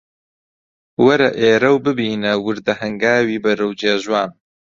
وەرە ئێرە و ببینە وردە هەنگاوی بەرەو جێژوان